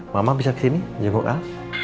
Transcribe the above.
mama bisa kesini jenguk al